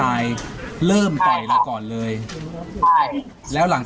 ถ้าเขาสู้ไม่ได้ก็จะโดนบัตร